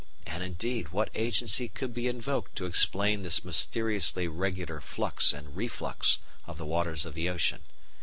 And, indeed, what agency could be invoked to explain this mysteriously regular flux and reflux of the waters of the ocean?